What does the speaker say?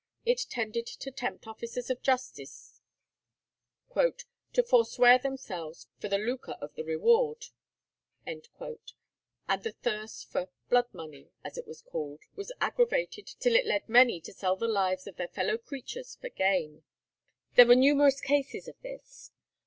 It tended to tempt officers of justice "to forswear themselves for the lucre of the reward," and the thirst for "blood money," as it was called, was aggravated till it led many to sell the lives of their fellow creatures for gain. There were numerous cases of this.